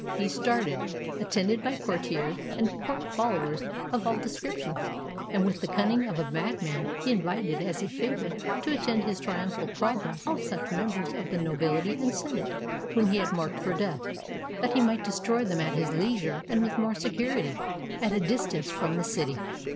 He started, attended by courtiers and court followers of all descriptions, and with the cunning of a madman he invited as a favor to attend his triumphal progress all such members of the nobihty and Senate whom he had marked for death, that he might destroy them at his leisure and with more security, at a distance from the city.